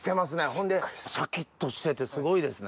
ほんでシャキっとしててすごいですね。